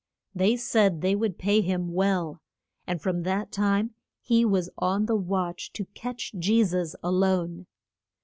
They said they would pay him well. And from that time he was on the watch to catch Je sus a lone.